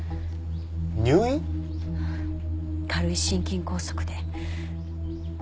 入院？軽い心筋梗塞で。